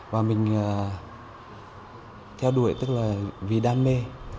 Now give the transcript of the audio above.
và mình theo đuổi tức là vì đam mê